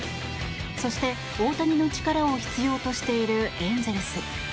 そして大谷の力を必要としているエンゼルス。